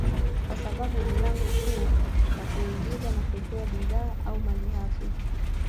kwa sababu ni lango kuu la kuingiza na kutoa bidhaa au malighafi